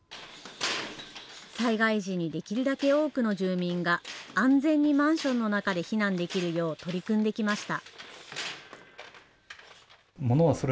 災害時にできるだけ多くの住民が、安全にマンションの中で避難できるよう取り組んできました。